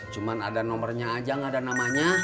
cuman ada nomernya aja gak ada namanya